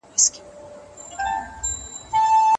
تجارت له اروپا سره مه بندوئ.